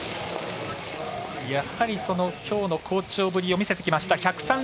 やはり、きょうの好調ぶりを見せてきました。